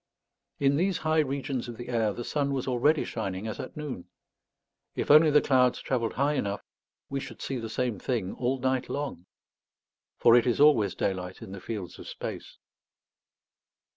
In these high regions of the air the sun was already shining as at noon. If only the clouds travelled high enough, we should see the same thing all night long. For it is always daylight in the fields of space.